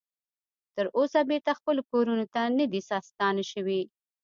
تر اوسه بیرته خپلو کورونو ته نه دې ستانه شوي